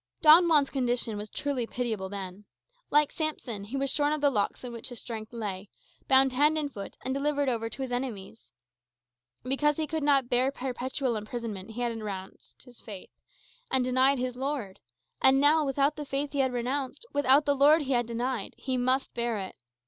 Don Juan's condition was truly pitiable then. Like Samson, he was shorn of the locks in which his strength lay, bound hand and foot, and delivered over to his enemies. Because he could not bear perpetual imprisonment he had renounced his faith, and denied his Lord. And now, without the faith he had renounced, without the Lord he had denied, he must bear it.